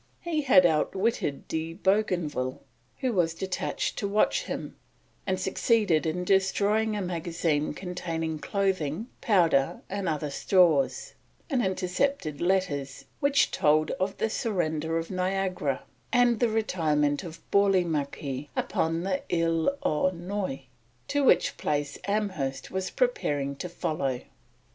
He had outwitted De Bougainville, who was detached to watch him, and succeeded in destroying a magazine containing clothing, powder, and other stores, and intercepted letters which told of the surrender of Niagara and the retirement of Bourlemaque upon the Ile aux Noix, to which place Amherst was preparing to follow.